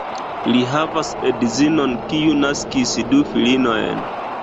Li havas edzinon, kiu naskis du filinojn.